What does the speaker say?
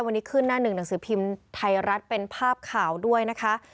วันนี้ขึ้นหน้าหนึ่งหนังสือพิมพ์ไทยรัฐเป็นภาพข่าวด้วยนะคะ